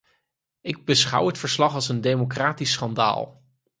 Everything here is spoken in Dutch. Ik beschouw het verslag als een democratisch schandaal.